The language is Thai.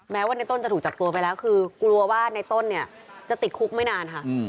แม้ว่าในต้นจะถูกจับตัวไปแล้วคือกลัวว่าในต้นเนี่ยจะติดคุกไม่นานค่ะ